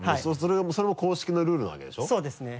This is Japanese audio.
それも公式のルールなわけでしょそうですね。